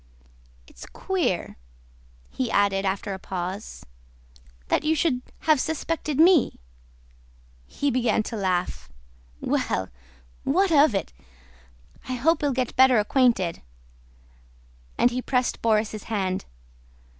It's queer," he added after a pause, "that you should have suspected me!" He began to laugh. "Well, what of it! I hope we'll get better acquainted," and he pressed Borís' hand.